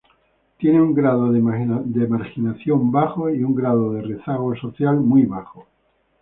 Tiene un grado de marginación bajo y un grado de rezago social muy bajo.